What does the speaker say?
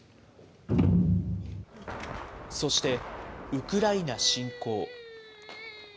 そして、ウクライナ侵攻。